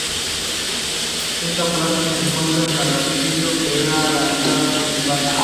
En esta plaza se encuentra el arquillo, que era la entrada principal.